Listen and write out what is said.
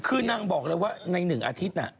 คือนางบอกเลยว่าใน๑อาทิตย์น่ะ